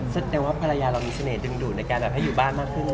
สัดเดวว่าปลายาเรามีเสน่ห์ดึงดุดนะครับอยู่บ้านมากขึ้น